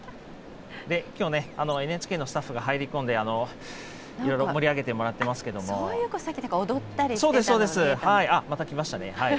きょうね、ＮＨＫのスタッフが入り込んで、いろいろ盛り上げてもそういえばさっき、踊ったりまた来ましたね。